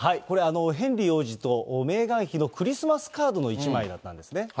これ、ヘンリー王子とメーガン妃のクリスマスカードの１枚だったんですね。